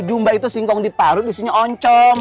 jumba itu singkong di parut disini oncom